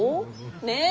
ねえ！